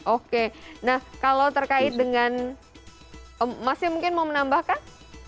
oke nah kalau terkait dengan masih mungkin mau menambahkan